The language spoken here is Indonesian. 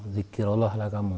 zikir allah lah kamu